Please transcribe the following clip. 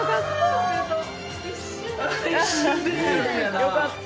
よかった！